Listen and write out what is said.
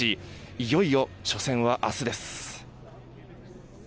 いよいよ初戦は明日です。